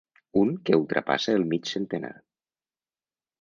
Un que ultrapassa el mig centenar.